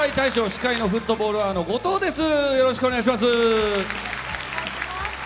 司会のフットボールアワーの後藤です。